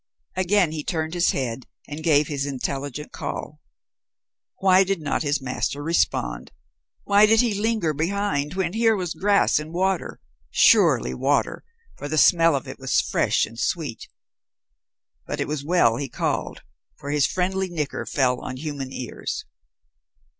Again he turned his head and gave his intelligent call. Why did not his master respond? Why did he linger behind when here was grass and water surely water, for the smell of it was fresh and sweet. But it was well he called, for his friendly nicker fell on human ears.